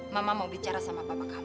mama mau bicara sama bapak kamu